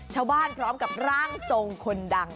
ชาวบ้านพร้อมกับร่างทรงคนดัง